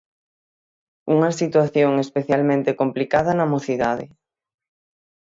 Unha situación especialmente complicada na mocidade.